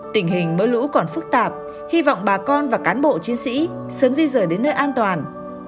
tình hình mưa lũ còn phức tạp hy vọng bà con và cán bộ chiến sĩ sớm di rời đến nơi an toàn